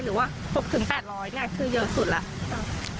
หรือว่า๖๘๐๐เนี่ยคือเยอะสุดแล้ว